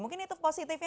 mungkin itu positifnya